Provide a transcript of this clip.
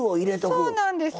そうなんです。